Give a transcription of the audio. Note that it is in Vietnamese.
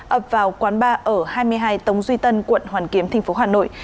ập vào quán bar ở hai mươi hai tống duy tân quận hoàn kiếm tp hà nội